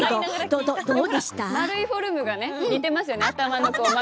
丸いフォルムが似てますよね